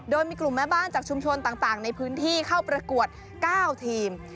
โดยมีกลุ่มแม่บ้านจากชุมชนต่างในพื้นที่เข้าประกวด๙ทีม